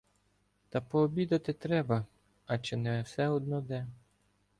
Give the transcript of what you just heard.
— Та пообідати треба, а чи не все одно де?